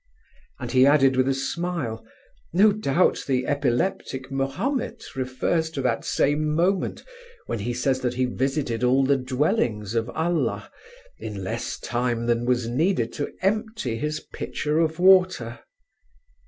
'" And he added with a smile: "No doubt the epileptic Mahomet refers to that same moment when he says that he visited all the dwellings of Allah, in less time than was needed to empty his pitcher of water."